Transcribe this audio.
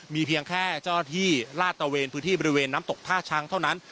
มีเพียงแค่เจ้าหน้าที่ลาดตะเวนพื้นที่บริเวณน้ำตกท่าช้างเท่านั้น